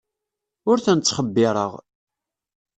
Ur ten-ttxebbireɣ.